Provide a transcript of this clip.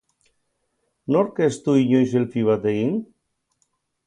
Nork ez du inoiz selfie bat egin?